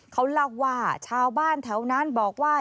เขาเล่าว่าชาวบ้านแถวนั้นบอกว่า